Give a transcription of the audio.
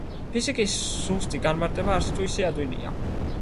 ფიზიკის ზუსტი განმარტება არც თუ ისე ადვილია.